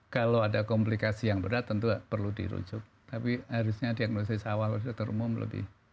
kalau ada komplikasi yang berat tentu perlu dirujuk tapi harusnya diagnosis awal harus dokter umum lebih